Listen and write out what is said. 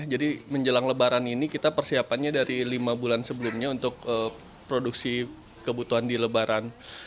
jadi menjelang lebaran ini kita persiapannya dari lima bulan sebelumnya untuk produksi kebutuhan di lebaran